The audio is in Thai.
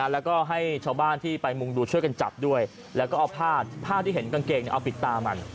แล้วก็ให้ชาวบ้านที่ไปมุงดูช่วยกันจับด้วยแล้วก็เอาผ้าที่เห็นกางเกงเอาปิดตามัน